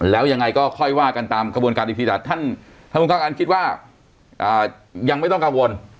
แล้วยังไงก็ค่อยว่ากันตามกระบวนการดีพิจารณาท่านท่านบุญความการคิดว่า